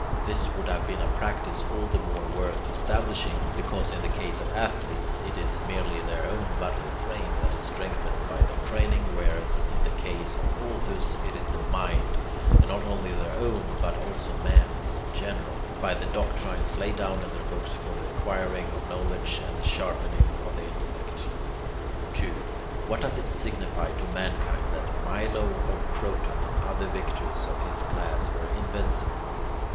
This would have been a practice all the more worth establishing, because in the case of athletes it is merely their own bodily frame that is strengthened by their training, whereas in the case of authors it is the mind, and not only their own but also man's in general, by the doctrines laid down in their books for the acquiring of knowledge and the sharpening of the intellect. 2. What does it signify to mankind that Milo of Croton and other victors of his class were invincible?